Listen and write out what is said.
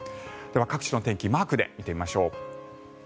各地の天気マークで見てみましょう。